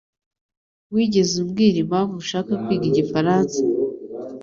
Wigeze ubwira impamvu ushaka kwiga igifaransa?